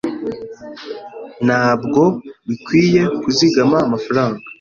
Ntabwo bikwiye kuzigama amafaranga.